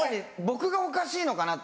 僕がおかしいのかな？